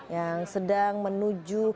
yang sedang menuju